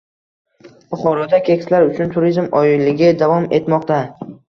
Buxoroda \Keksalar uchun turizm oyligi\" davom etmoqdang"